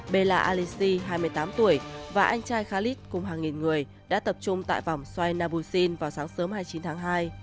bella alisi hai mươi tám tuổi và anh trai khalid cùng hàng nghìn người đã tập trung tại vòng xoay nabuxin vào sáng sớm hai mươi chín tháng hai